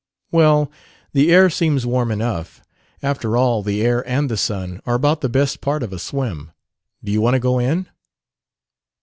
"Well, the air seems warm enough. After all, the air and the sun are about the best part of a swim. Do you want to go in?"